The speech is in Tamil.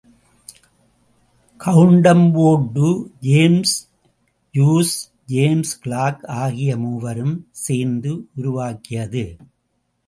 கவுண்டம்போர்டு, ஜேம்ஸ் ஜூல், ஜேம்ஸ் கிளார்க் ஆகிய மூவரும் சேர்ந்து உருவாக்கியது.